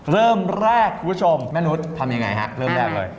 เริ่มแรกคุณผู้ชมแม่นุษย์ทำยังไงฮะเริ่มแรกเลย